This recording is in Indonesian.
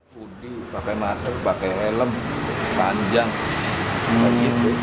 pembeli pakai masker pakai elem panjang penyimpun